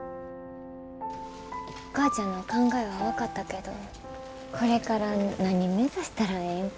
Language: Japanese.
お母ちゃんの考えは分かったけどこれから何目指したらええんか。